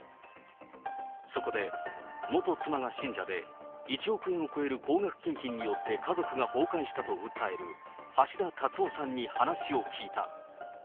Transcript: そこで、元妻が信者で、１億円を超える高額献金によって家族が崩壊したと訴える、橋田達夫さんに話を聞いた。